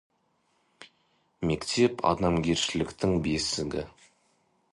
Мектеп — адамгершіліктің бесігі.